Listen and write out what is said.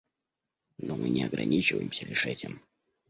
Но мы не ограничиваемся лишь этим.